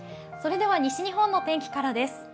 それでは西日本の天気からです。